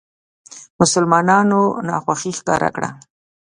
مسلمانانو ناخوښي ښکاره کړه.